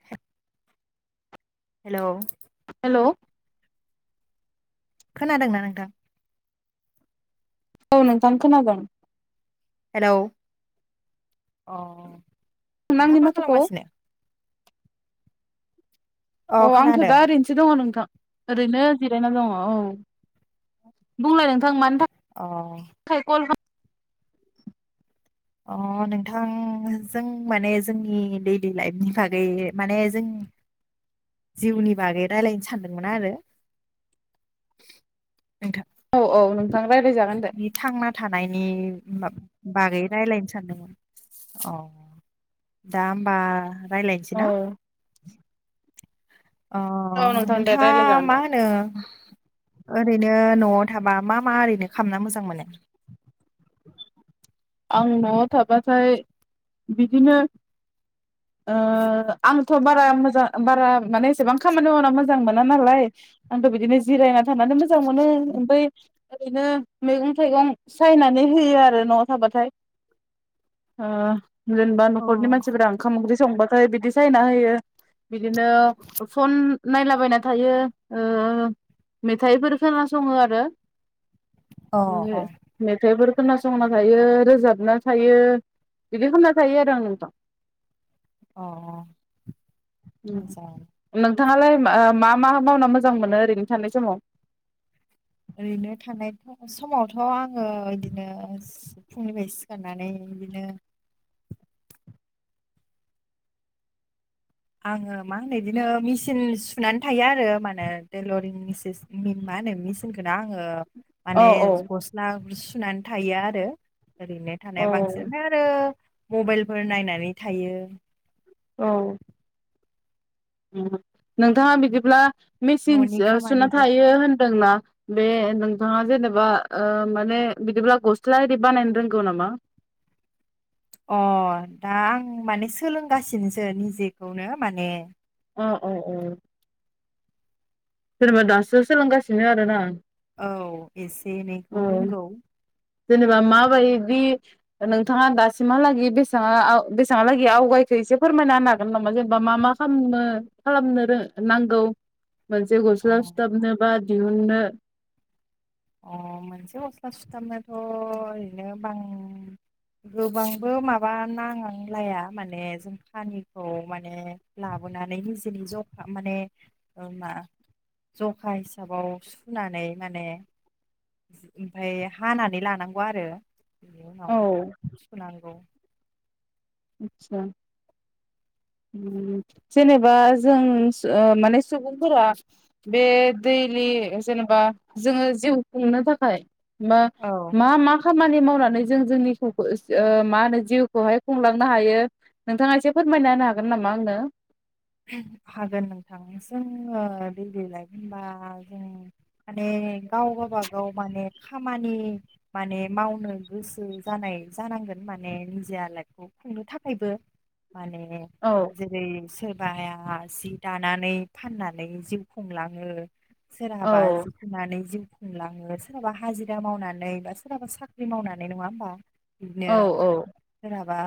[unintelligible] हेल' hello खोनादोंना नोंथां? औ नोंथां खोनागोन औ अ नोंथाङा आंनि मा माथोखौ खालामगासिनो? अ आंथ' दा ओरैनसो दङ नोंथां। ओरैनो जिरायनानै दङ औ बुंलाय नों थां मानि अ [unintelligible] कल खाम अ नोंथां जों माने जोंनि दैलि लाइफनि बागै माने जों [inaudible] जिउनि बागै रायलायनो सानदोंमोन आरो नोंथां खालाम औ औ नोंथां रायज्लायजागोन दे बे थांना थानायनि माब बागै रायलायनो सानदोंमोन अ दा होमबा रायलायनसै औ न अ औ नोंथां दे नोंथाङा रायज्लायजागोन मा दे होनो ओरैनो न'आव थाबा मा मा ओरैनो खालामामना मोजां मोनो? [inaudible] आं न'आव थाबाथाय बिदिनो ओ आंथ' बारा मोजां बारा माने एसेबां खामानि मावना मोजांमो ना नालाय आंथ' बिदिनो जिरायनानै थानानै मोजां मोनो ओमफ्राय ओरैनो मैगं थाइगं दं सायनानै होयो आरो न' थाबाथाय ओ जेनेबा अ न'खरनि मानसिफोरा ओंखाम ओंख्रि संबा ओमफ्राय बिदि सायना होयो बिदिनो फन नायलाबायना थायो ओ मेथाइफोर खोनासङो आरो अ अ मेथाइफोर खोनासंना थायो रोजाबना थायो बिदि खालामना थायो आरो आं नोंथां अ मोजां नोंथाङालाय मा मा मावना मोजां मोनो ओरैनो थानाय समाव ओरैनो थांनाय समावथ' आङो बिदिनो फुंनिफ्राय सिखारनानै बिदिनो आङो मा होनो बिदिनो मेचिन सुनानै थायो आरो [unintelligible] तैलरिं [unintelligible] मा होनो मेसिनखौनो आङो औ माने औ गस्ला सुनानै थायो आरो ओरैनो औ थानाया बांसिन आरो मबाइलफोर नायनानै थायो औ। नोंथाङा बिदिब्ला मेसिन न'नि सुना खामानिफोर थायो होनदोंना बे नोंथाङा जेनेबा मा माने बिदिब्ला गस्ला होरि बानायनो रोंगौ नामा। अ दा आं माने सोलोंगासिनोसो निजेखौनो माने अ अ औ। जेनेबा दासो सोलोंगासिनो आरो ना। औ एसे एनैखौ रोंगौ जेनेबा माबायदि नोंथाङा दासिमहालागै [unintelligible] बेसेङाहालागै [unintelligible] एसे फोरमायना होनो हागोन नामा जेनेबा मा मा खालामनो खालामनो नांगौ। मोनसे अ गस्ला सुथाबनो बा दिहुननो अ मोनसे गस्ला सुथाबनोथ' ओरैनो बां गोबांबो माबा नांलाया माने जों कानिखौ माने लाबो [inaudible] निजिनि ज'खा माने मा जखा हिसाबाव सुनानै माने ओमफ्राय हानानै लानांगौ आरो। बिनि उनाव औ सुनांगौ आतसा [inaudible] जेनेबा जों माने सुबुंफोरा बे दैलि जेनेबा जोङो जिउ खुंनो थाखाय मा औ मा मा खामानि मावनानै जों [unintelligible] मा होनो जिउखौहाय बुंलांनो हायो नोंथाङा एसे फोरमायना होनो हागोन नामा आंनो हागोन नोंथां जोङो दैयलि लाइभ होनबा जों माने गाव गावबा गाव माने खामानि माने मावनो गोसो जानाय जानां निजि खुंनो थाखायबो माने औ जेरै सोर जि दानानै फाननानै जिउ खुंलाङो सोराबा औ [unintelligible] जिउ मोनलाङो सोरहाबा हाजिरा मावनानै बा सोरहाबा साख्रि मावनानै नङा होमबा। बिदिनो सोरहाबा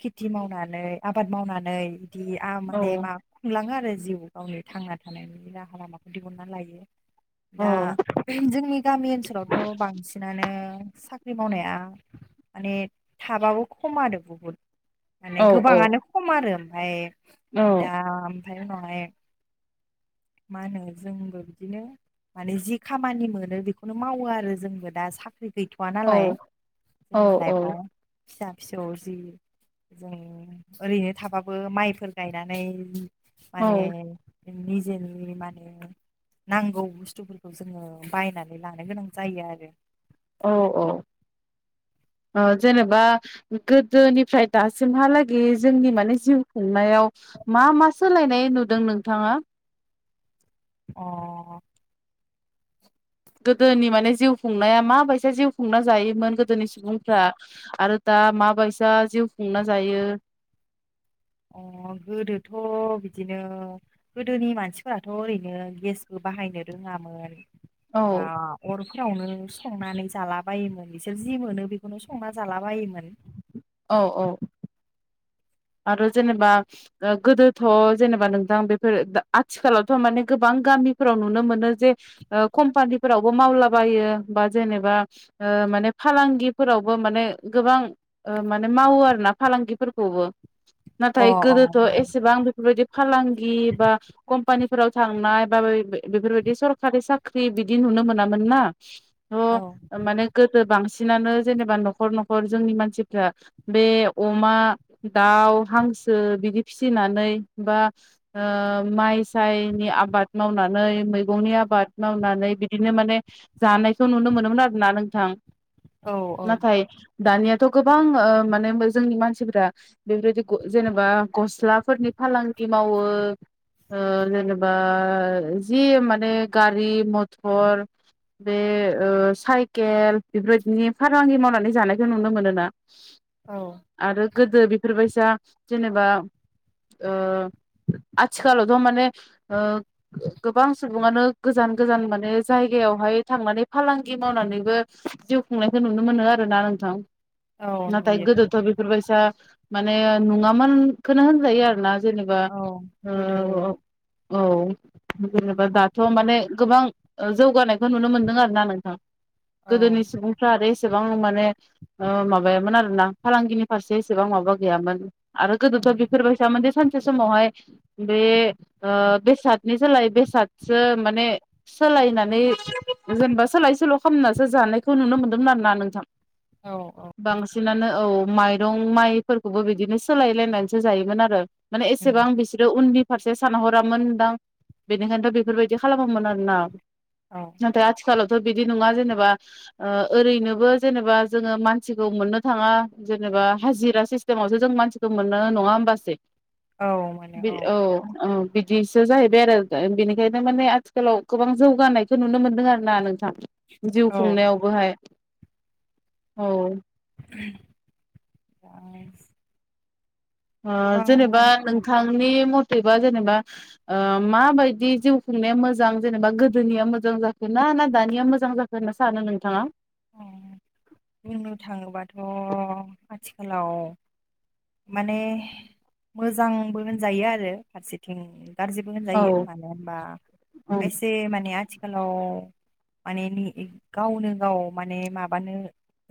खेथि मावनानै आबाद मावनानै बिदि आ माने मा खुंलाङो आरो जिउ गावनि थांना थानायनि राहा लामाखौ दिहुनना लायो। दा जोंनि गामि ओनसोलावथ' बांसिनानो साख्रि साख्रि मावनाया माने थाबाबो खम आरो बुहुद माने गोबाङानो औ-औ-औ-औ-औ-औ-औ-औ-औ-औ-औ-औ खम आरो ओमफ्राय दा ओमफ्राय उनावहाय मा होनो जोंबो बिदिनो माने जि खामानि मोनो बेखौनो मावो आरो जोंबो दा साख्रि गैथ'वा नालाय जोंनि लाइफआव फिसा फिसौ जि जों ओरैनो थाबाबो माइफोर गायनानै माने निजोन माने नांगौ बुस्थुफोरखौ जोंङो बायनानै लानो गोनां जायो आरो औ-औ [inaudible] ओ जेनेबा गोदोनिफ्राय दासिमहालागै जोंनि माने जिउ खुंनायाव‌। मा-मा सोलायनाय नुदों नोंथांङा अ गोदोनि माने जिउ खुंनाया माबायदि जिउ खुंना जायोमोन गोदोनि सुबुंफ्रा आरो दा ओ माबायसा जिउ खुंना जायो। [inaudible] अ गोदोथ बिदिनो गोदोनि मानसिफोराथ ओरैनो गेसबो बाहायनो रोंङामोन औ बा अर सावनो संनानै जाला बोयोमोन बिसोर जि मोनो बेखौनो संना जाला बायोमोन। औ-औ आरो जेनेबा ओ गोदोथ जेनेबा नोंथां बेफोर आथिखालावथ माने गोबां। गामिफोराव नुनो मोनो जे कमपानिफोरावबो मावलाबायो बा जेनेबा ओ ओ‌ माने फालांगिफोरावबो माने गोबां ओ माने मावो आरो ना फालांगिफोरखौबो अ नाथाय अ गोदोथ एसेबां बेफोरबायदि फालांगि बा खम कपानिफोराव थांनाय बा बे बेफोरबायदि सरकारि साख्रि बिदि नुनो मोनामोन ना औ अ‌ माने गोदो बांसिन बांसिनानो जेनेबा नखर-नखर जोंनि मानसिफ्रा बे अमा दाउ हांसो बिदि फिसिनानै बा ओ माइ सायनि आबाद मावनानै मैगंनि आबाद मावनानै बिदिनो माने जानायखौ नुनो मोनोमोन आरोना नोंथां औ औ नाथाय दानियाथ ओ गोबां माने जोंनि मानसिफ्रा बेफोरदि ग जेनेबा गस्लाफोरनि फालांगि मावो ओ‌ जेनेबा जि माने गारि मथर बे ओ साइकेल बेफोरबायदिनि फालांगि मावनानै जानायखौ नुनो मोनोना औ आरो गोदो बेफोरबायसा जेनेबा ओ आथिखालावथ माने ओ‌ गोबां सुबुंङानो गोजान-गोजान माने जायगा जायगायावहाय थांनानै फालांगि मावनानैबो जिउ खुंनायखौ नुनो मोनो आरोना नोंथां औ नाथाय नुयो गोदोथ बेफोरबायसा माने नंङामोनखौनो होनजायो आरो ना जेनेबा औ ओ गोदो औ औ जेनेबा दाथ माने गोबां ओ जौगानायखौ नुनो मोनदों आरोना नोंथां औ गोदोनि सुबुंफ्रा आरो एसेबां माने ओ माबायामोन आरोना फालांगिनि फारसे एसेबां माबा गैयामोन आरो गोदोथ बेफोरबायसामोन जे सानसे सानसे बे ओ बेसादनि जोलाय बेसादो सोलाय सोलायनानै जेनेबा सोलाय सोल‌ खालामनासो जानायखौ नुनो मोन्दोंमोन आरोना नोंथां औ औ बांसिनानो औ माइरं माइ फोरखौबो बिदिनो सोलाय लायनानैसो जायोमोन आरो माने उम, एसेबां बिसोरो उन्दि फारसे सानहरामोन दां बेनिखायनोथ बेफोरबायदि खालामोमोन आरोना औ नाथाय आथिखालाव बिदि नंङा जेनेबा ओरैनोबो जेनेबा जोंङो मानसिखौ मोननो थांङा जोंङो। बा हाजिरा सिस्टेमावसो जों मानसिखौ मोननो नंङा होमबासो औ मोनो बे औ औ-औ। बिदिसो जाहैबाय आरो बेनिखायनो माने आथिखालाव गोबां जौगानायखौ नुनो मोनदों आरो ना नोंथां। जिउ औ खुंनायावबोहाय औ। आ ओ जेनेबा नोंथांनि मथ थैबा जेनेबा ओ माबायदि जिउ खुंनाया मोजां जेनेबा गोदोनिया मोजां जाखोना ना दानिया मोजां जाखो होन्ना सानो नोंथाङा? बुंनो थाङोबाथ' आथिखालाव माने मोजांबो होनजायो आरो फारसेथिं गाज्रिबो औ होनजायो मानो होनबा औ खायसे माने आथिख खालाव माने नि गावनो गाव माने माबानो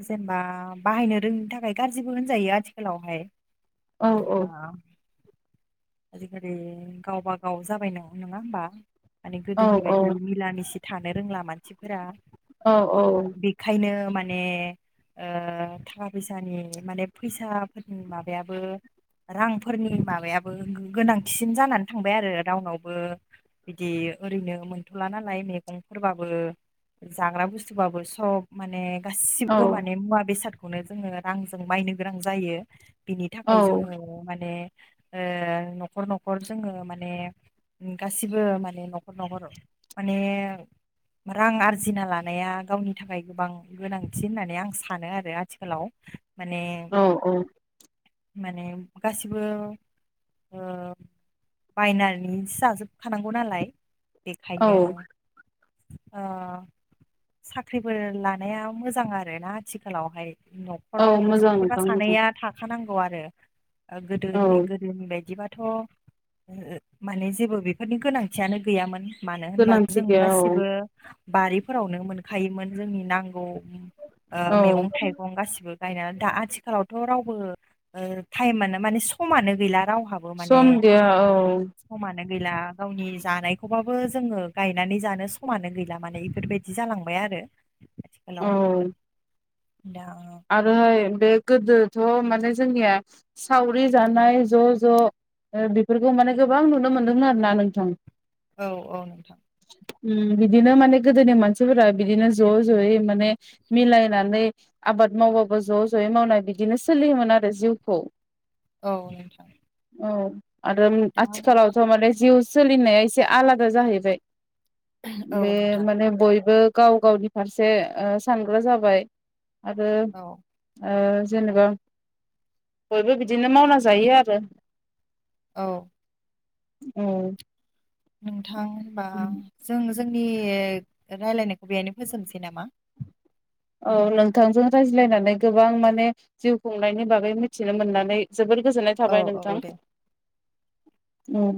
जेनबा बाहायनो रोंङिनि थाखाय गाज्रिबो होनजायो आथिखालावहाय। औ जेनेबा। आजिखालि गावबा गाव जाबाय नोंङा होमबा माने औ गोदोनि औ बायदि मिला मिसि थानो रोंला मानसिफोरा औ ओ बेखायनो मा ने ओ थाखा फैसानि माने फैसाफोरनि माबायाबो रांफोरनि माबायाबो गो गोनांथिसिन जानानै थांबाय आरो रावनावबो बिदि ओरैनो मोनथ'ला नालाय मेगंफोरबाबो जाग्रा बुस्थुबुबाबो सब माने औ गासिबो माने मुवा बेसादखौनो जोङो रांजों मायनो गोनां जायो। बिनि थाखाय जोङो माने ओ न'खर न'खर जोङो माने। गासिबो माने न'खर न'खर माने रां आरजिना लानाया गावनि थाखाय गोबां गोनांथि होननानै आं सानो आरो आथिखालाव। माने औ औ। माने गासिबो। ओ बायनानैस़ जाजोबखानांगौ नालाय। औ बेखायनो। ओ साख्रिफोर लानाया मोजां आरोना आथिखालावहाय। औ न'खराव मोजां सासेबा नोंथां मोजां सानैया थाखानांगौ आरो ओ औ गोदोनि गोदो बायदिबाथ' माने जेबो बेफोरनि गोनांथियानो गैयामोन। मानो होनबा गोनांथि जों गैया औ गासिबो बारिफोरावनो मोनखायोमोन जोंनि नांगौ। ओ औ मेगं थाइगं गासिबो। गायना दा आथिखालावथ' रावबो ओ टाइमानो माने समानो गैला राव सम गैया औ। नो गैला गावनि जानायखौबाबो जोङो गायनानै जानो समानो गैला माने इफोरबायदि जालांबाय आ आरो। औ। आथिखालाव दा। आरोहाय बे गोदोथ' माने जोंनिया सावरि जानाय ज' ज'। ओ बेफोरखौ माने गोबां नुनो मोनदों आरो ना नोंथां। औ औ नोंथां। उम बिदिनो माने गोदोनि मानसिफोरा बिदिनो ज' ज'यै माने मिलायनानै। आबाद मावबाबो ज' ज'यै मावनाय बिदिनो सोलियोमोन आरो जिउखौ। औ नोंथां। औ आरो उम दा आथिखालावथ' माने जिउ सोलिनाया एसे आलादा जाहैबाय। औ बे नोंथां माने बयबो गाव गावनि फारसे ओ सानग्रा जाबाय। आरो औ ओ। जेनेबा बयबो बिदिनो मावना जायो आरो। औ। उम। नोंथां होनबा जों जोंनि रायलायनायखौ बेहायनो फोजोबनोसै नामा? औ नोंथांजों रायज्लायनानै गोबां माने जिउ खुंनायनि बागै मिथिनो मोननानै जोबोर गोजोननाय औ थाबाय नोंथां औ दे। उम।